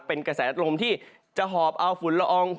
เป็นกระแสลมที่จะหอบเอาฝุ่นละออง